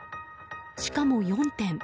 しかも、４点。